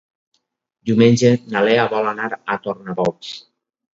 Diumenge na Lea vol anar a Tornabous.